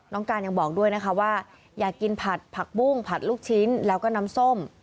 การยังบอกด้วยนะคะว่าอยากกินผัดผักบุ้งผัดลูกชิ้นแล้วก็น้ำส้ม